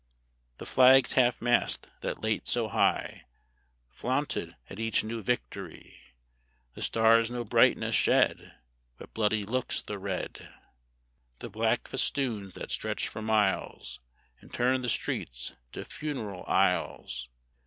The flags half mast that late so high Flaunted at each new victory? (The stars no brightness shed, But bloody looks the red!) The black festoons that stretch for miles, And turn the streets to funeral aisles?